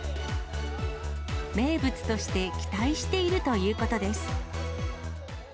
名物として期待しているということです。